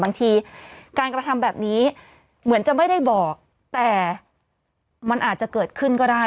บางทีการกระทำแบบนี้เหมือนจะไม่ได้บอกแต่มันอาจจะเกิดขึ้นก็ได้